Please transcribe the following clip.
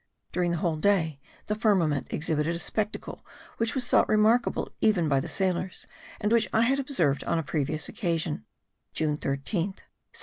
During the whole day the firmament exhibited a spectacle which was thought remarkable even by the sailors and which I had observed on a previous occasion (June 13th, 1799).